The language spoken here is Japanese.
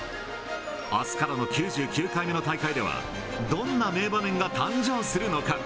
あすからの９９回目の大会では、どんな名場面が誕生するのか。